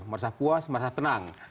merasa puas merasa tenang